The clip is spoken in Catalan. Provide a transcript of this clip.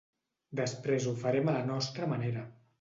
Després ho farem a la nostra manera.